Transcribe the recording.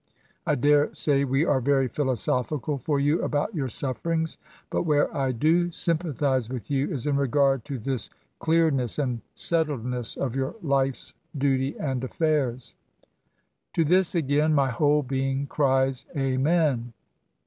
I dare say we are very philosophical for you about your sufferings; but where I do sympa thise with you, is in regard to this clearness and settledness of your life's duty and affairs." To this again, my whole being cries " amen